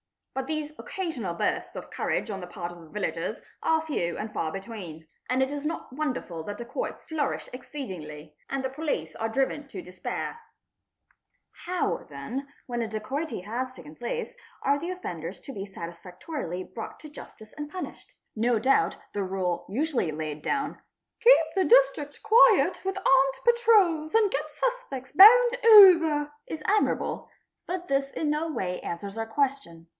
But these occasional bursts of courage on the part of the villagers are few and far between; and it is not wonderful How, then, when a dacoity has taken place, are the offenders to be j satisfactorily brought to justice and punished? No doubt the rule usually : laid down, '' Keep the District quiet with armed patrols and get suspe ts bound over'', is admirable; but this in no way answers our question.